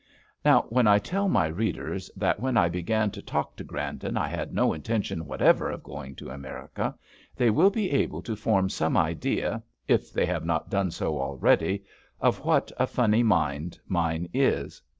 Now, when I tell my readers that when I began to talk to Grandon I had no intention whatever of going to America, they will be able to form some idea, if they have not done so already, of what a funny mind mine is.